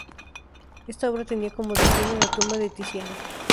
Esta obra tenía como destino la tumba de Tiziano.